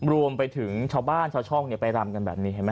รวมไปถึงชาวบ้านชาวช่องไปลำกันแบบนี้